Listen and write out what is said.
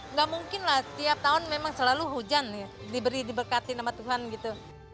nggak mungkin lah setiap tahun memang selalu hujan ya diberi diberkati sama tuhan gitu